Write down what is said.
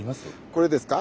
これですか？